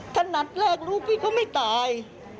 ถ้านัดแรกลูกพี่ก็ไม่ตาย